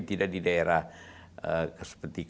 tidak di daerah seperti